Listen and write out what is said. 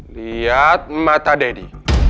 lihat mata daddy